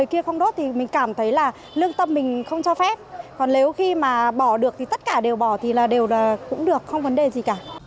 cả chục bao tài